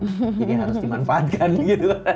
jadi harus dimanfaatkan gitu